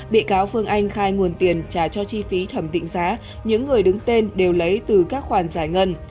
bị cáo phương anh khai nguồn tiền trả cho chi phí thẩm định giá những người đứng tên đều lấy từ các khoản giải ngân